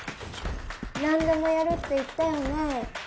なんでもやるって言ったよね？